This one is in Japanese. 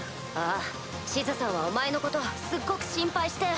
ああシズさんはお前のことすっごく心配して。